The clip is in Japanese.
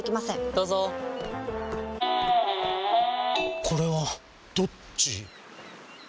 どうぞこれはどっち？